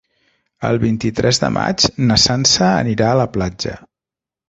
El vint-i-tres de maig na Sança anirà a la platja.